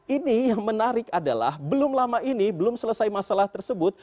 ini yang menarik adalah belum lama ini belum selesai masalah tersebut